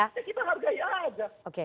kita hargai aja